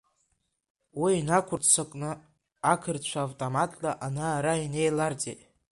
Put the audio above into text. Уи инақәырццакны ақырҭцәа автоматла ана-ара инеиларҵеит.